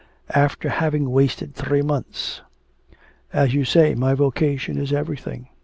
'After having wasted three months! As you say my vocation is everything.